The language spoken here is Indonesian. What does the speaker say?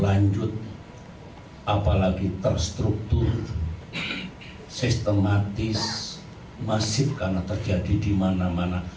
apalagi terstruktur sistematis masif karena terjadi di mana mana